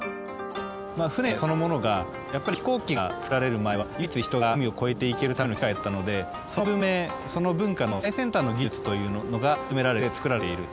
まぁ船そのものがやっぱり飛行機が作られる前は唯一人が海を越えていけるための機械だったのでその文明その文化の最先端の技術というのが集められて作られていると。